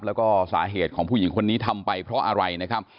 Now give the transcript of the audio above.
แล้วก็สาเหตุของผู้หญิงคนนี้ทำไปเพราะอะไรนะครับ